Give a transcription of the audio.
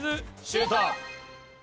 シュート！